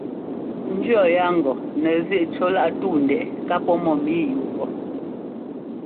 N jʉɔ́ yaa ŋgɔ nɛzíꞌ cúláꞌ túu ndɛꞌɛ ká pɔ́ mɔ́mǐ yúu pɔ́.